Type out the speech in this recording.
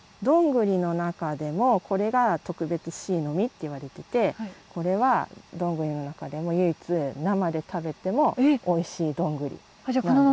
どんぐりの中でもこれが特別シイの実っていわれててこれはどんぐりの中でも唯一生で食べてもおいしいどんぐりなんです。